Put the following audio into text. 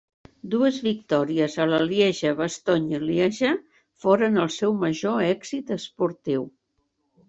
Dues victòries a la Lieja-Bastogne-Lieja foren el seu major èxit esportiu.